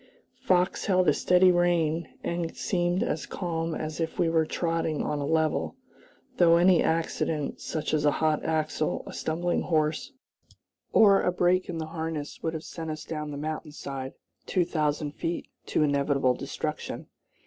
Fox held a steady rein, and seemed as calm as if we were trotting on a level, though any accident, such as a hot axle, a stumbling horse, or a break in the harness would have sent us down the mountain side, two thousand feet, to inevitable destruction.